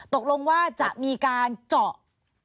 ตกลงว่าจะมีการเจาะ